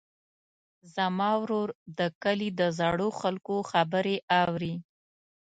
زما ورور د کلي د زړو خلکو خبرې اوري.